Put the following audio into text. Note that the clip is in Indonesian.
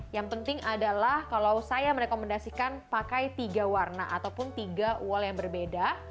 yang penting adalah kalau saya merekomendasikan pakai tiga warna ataupun tiga wall yang berbeda